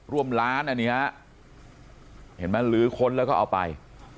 ร่วมล้านอันนี้ฮะเห็นไหมลื้อค้นแล้วก็เอาไป